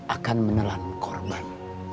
akan menelan korban